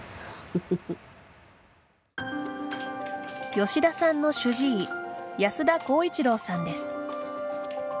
吉田さんの主治医安田浩一朗さんです。